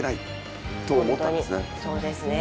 そうですね。